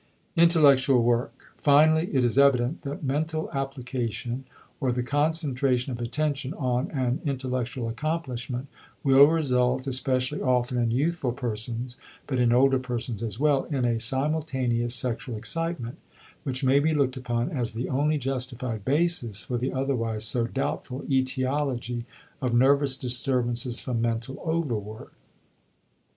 *Intellectual Work.* Finally, is is evident that mental application or the concentration of attention on an intellectual accomplishment will result, especially often in youthful persons, but in older persons as well, in a simultaneous sexual excitement, which may be looked upon as the only justified basis for the otherwise so doubtful etiology of nervous disturbances from mental "overwork."